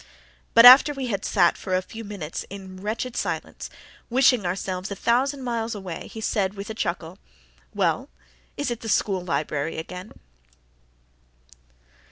But after we had sat for a few minutes in wretched silence, wishing ourselves a thousand miles away, he said, with a chuckle, "Well, is it the school library again?"